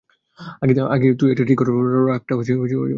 আগে তুই এটা ঠিক কর তোর রাগটা কীসের ওপর?